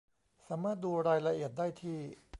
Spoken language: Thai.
สามารถดูรายละเอียดได้ที่